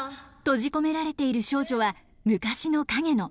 閉じ込められている少女は昔のカゲノ。